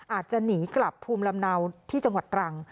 อาจจะหนีกลับภูมิลำเนาที่จังหวัดตรัง